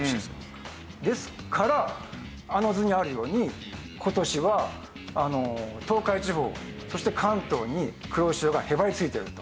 ですからあの図にあるように今年は東海地方そして関東に黒潮がへばりついていると。